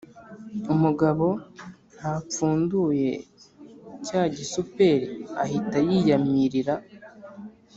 umugabo ntapfunduye cya gisuperi ahita yiyamirira